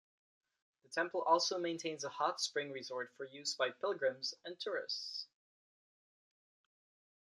The temple also maintains a hot spring resort for use by pilgrims and tourists.